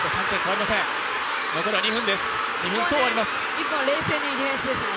１本、冷静にディフェンスですね。